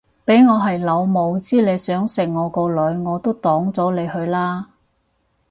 俾我係老母知你想食我個女我都擋咗你去啦